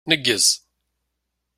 Nneggez.